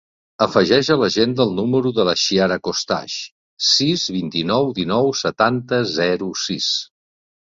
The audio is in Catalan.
Afegeix a l'agenda el número de la Chiara Costache: sis, vint-i-nou, dinou, setanta, zero, sis.